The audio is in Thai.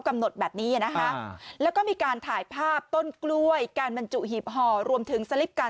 เกิดเหตุการณ์แบบนี้